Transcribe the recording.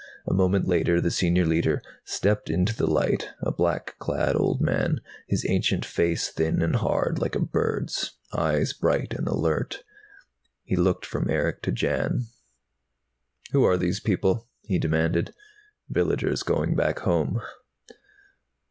A moment later the Senior Leiter stepped into the light, a black clad old man, his ancient face thin and hard, like a bird's, eyes bright and alert. He looked from Erick to Jan. "Who are these people?" he demanded. "Villagers going back home."